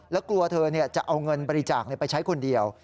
แล้วกลัวเธอจะเอาเงินบริจาคไปใช้คนเดียว